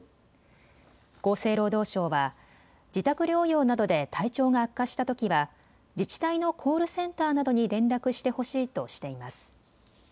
厚生労働省は自宅療養などで体調が悪化したときは自治体のコールセンターなどに連絡してほしいとしています。